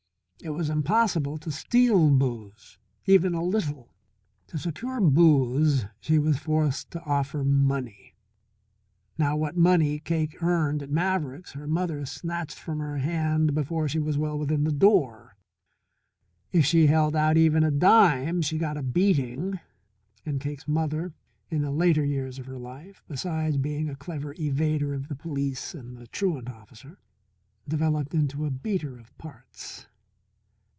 It was impossible to steal booze even a little. To secure booze she was forced to offer money. Now what money Cake earned at Maverick's her mother snatched from her hand before she was well within the door. If she held out even a dime, she got a beating. And Cake's mother, in the later years of her life, besides being a clever evader of the police and the truant officer, developed into a beater of parts.